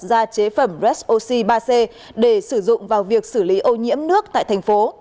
ra chế phẩm resoc ba c để sử dụng vào việc xử lý ô nhiễm nước tại thành phố